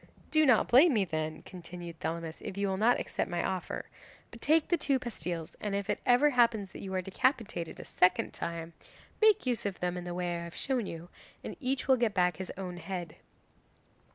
"Do not blame me then," continued Thelamis, "if you will not accept my offer. But take the two pastilles, and if it ever happens that you are decapitated a second time, make use of them in the way I have shown you, and each will get back his own head."